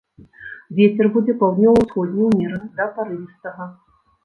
Вецер будзе паўднёва-ўсходні ўмераны да парывістага.